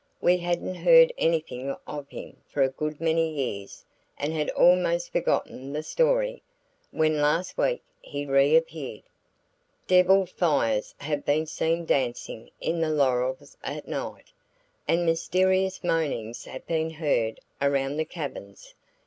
We hadn't heard anything of him for a good many years and had almost forgotten the story, when last week he reappeared. Devil fires have been seen dancing in the laurels at night, and mysterious moanings have been heard around the cabins.